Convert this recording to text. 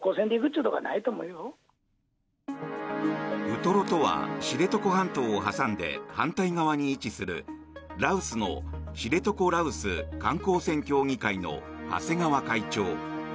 ウトロとは知床半島を挟んで反対側に位置する羅臼の知床羅臼観光船協議会の長谷川会長。